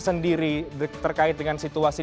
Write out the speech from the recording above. sendiri terkait dengan situasi